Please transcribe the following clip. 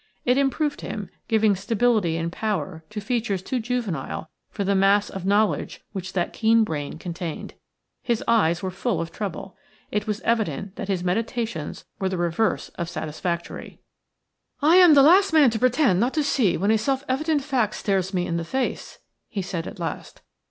It improved him, giving stability and power to features too juvenile for the mass of knowledge which that keen brain contained. His eyes were full of trouble; it was evident that his meditations were the reverse of satisfactory. "I am the last man to pretend not to see when a self evident fact stares me in the face," he said, at last.